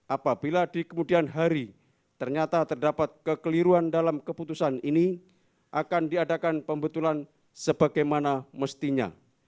apabila di kemudian hari ternyata terdapat kekeliruan dalam keputusan ini akan diadakan pembetulan sebagaimana mestinya